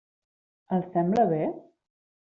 Els sembla bé?